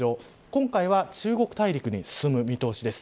今回は中国大陸に進む見通しです。